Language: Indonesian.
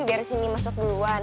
biar sini masuk duluan